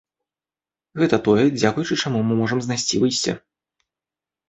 Гэта тое, дзякуючы чаму мы можам знайсці выйсце.